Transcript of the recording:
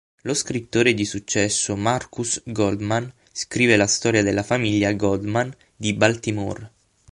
Lo scrittore di successo Marcus Goldman scrive la storia della famiglia Goldman di Baltimore.